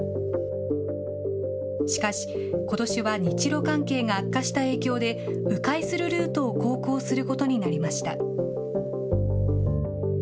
しかし、ことしは日ロ関係が悪化した影響で、う回するルートを航行することになりました。